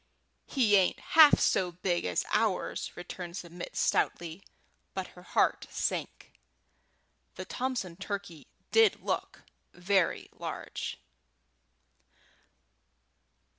"He ain't half so big as ours," returned Submit, stoutly; but her heart sank. The Thompson turkey did look very large.